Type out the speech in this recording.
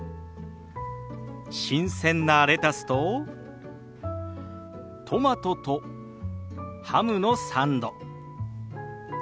新鮮なレタスとトマトとハムのサンド。